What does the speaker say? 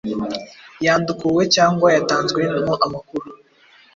yandukuwe cyangwa yatanzwe mo amakuru